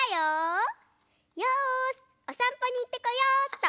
よしおさんぽにいってこようっと。